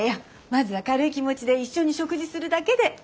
まずは軽い気持ちで一緒に食事するだけで。